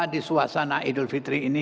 di suasana idul fitri ini